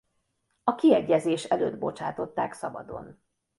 A kiegyezés előtt bocsátották szabadon.